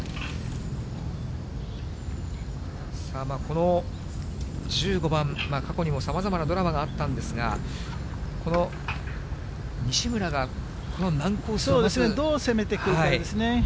さあ、この１５番、過去にもさまざまなドラマがあったんですが、この西村が、そうですね、どう攻めてくるかですね。